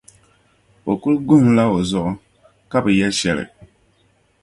O kuli guhinla o zuɣu, ka bi yɛli shɛli.